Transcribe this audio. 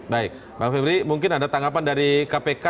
baik bang febri mungkin ada tanggapan dari kpk